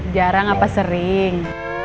jarang apa sering